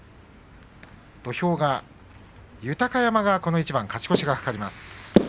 土俵は豊山、この一番勝ち越しが懸かります。